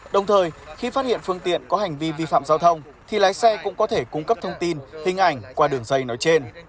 đồng thời khi phát hiện phương tiện có hành vi vi phạm giao thông thì lái xe cũng có thể cung cấp thông tin hình ảnh qua đường dây nói trên